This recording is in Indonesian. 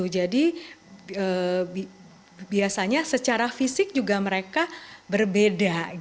jadi biasanya secara fisik juga mereka berbeda